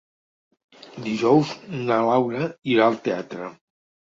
Dijous na Laura irà al teatre.